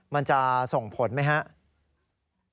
มันจะส่งผลไหมครับ